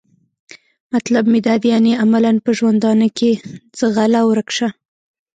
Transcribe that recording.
مطلب مې دا دی یعنې عملاً په ژوندانه کې؟ ځغله ورک شه.